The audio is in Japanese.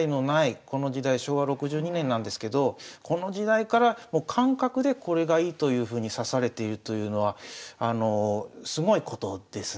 昭和６２年なんですけどこの時代からもう感覚でこれがいいというふうに指されているというのはすごいことですね。